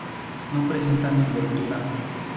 No presentan envoltura.